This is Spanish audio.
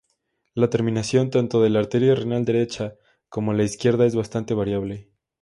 La terminación tanto de la arteria renal derecha como la izquierda es bastante variable.